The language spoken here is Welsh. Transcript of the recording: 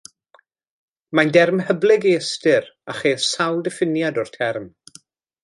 Mae'n derm hyblyg ei ystyr, a cheir sawl diffiniad o'r term.